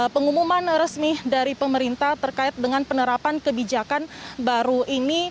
pengumuman resmi dari pemerintah terkait dengan penerapan kebijakan baru ini